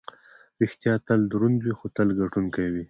ریښتیا تل دروند وي، خو تل ګټونکی وي.